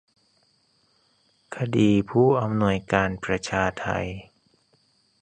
คดีผู้อำนวยการประชาไท